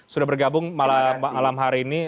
sudah bergabung malam hari ini